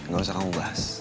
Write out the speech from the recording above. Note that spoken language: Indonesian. gak usah kamu buas